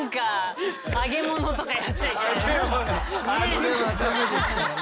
それはダメですからね。